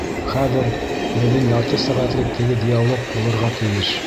Хәҙер беҙҙең ярты сәғәтлек теге диалог булырға тейеш.